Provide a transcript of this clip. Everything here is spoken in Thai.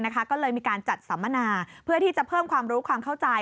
ก็เลยมีการจัดสัมมนาเพื่อที่จะเพิ่มความรู้ความเข้าใจ